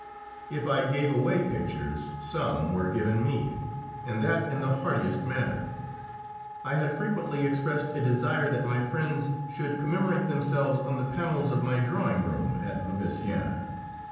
If I gave away pictures, some were given me, and that in the heartiest manner. I had frequently expressed a desire that my friends should commemorate themselves on the panels of my drawing room at Louveciennes.